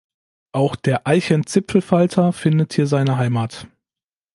Auch der Eichen-Zipfelfalter findet hier seine Heimat.